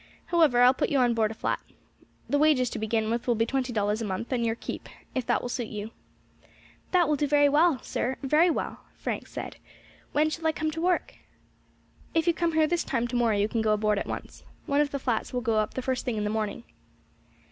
However, I will put you on board a flat. The wages to begin with will be twenty dollars a month and your keep, if that will suit you." "That will do, sir, very well," Frank said. "When shall I come to work?" "If you come here this time to morrow you can go aboard at once. One of the flats will go up the first thing in the morning."